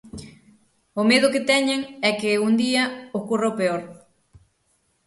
O medo que teñen é que un día ocorra o peor...